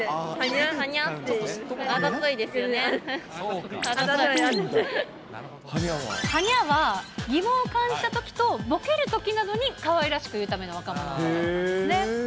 あざとい、あざとい。はにゃ？は疑問を感じたときとぼけるときなどにかわいらしく言うための若者ことばなんですね。